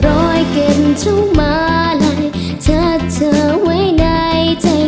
รอยเก็บเท่ามาลัยเฉิดเฉินไว้ในใจ